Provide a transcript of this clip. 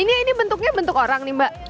ini bentuknya bentuk orang nih mbak